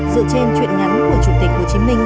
dựa trên chuyện ngắn của chủ tịch hồ chí minh